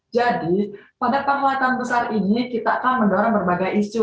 pada penguatan besar ini kita akan mendorong berbagai isu